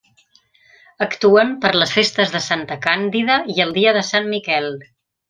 Actuen per les festes de Santa Càndida i el dia de Sant Miquel.